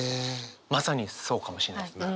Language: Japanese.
まさにそうかもしれないですね。